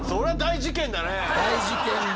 大事件だ。